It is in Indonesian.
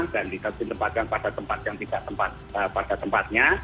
dan ditetapkan pada tempat yang tidak pada tempatnya